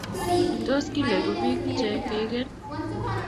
tos kileku biik che keikeen?